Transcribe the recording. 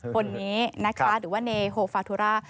คนนี้นะคะหรือว่าเนโฮฟาทุรา